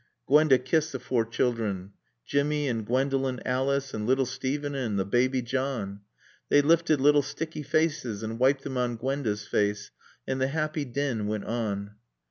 Gwenda kissed the four children; Jimmy, and Gwendolen Alice, and little Steven and the baby John. They lifted little sticky faces and wiped them on Gwenda's face, and the happy din went on.